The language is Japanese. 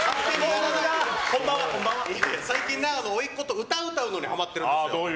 最近、おいっこと歌を歌うことにはまってるんですよ。